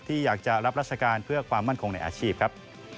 ที่อยากจะรับราชการเพื่อความมั่นคงในอาชีพครับ